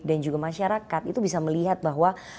dan juga masyarakat itu bisa melihat bahwa